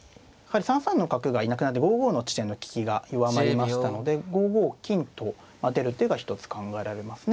３三の角がいなくなって５五の地点の利きが弱まりましたので５五金と出る手が一つ考えられますね。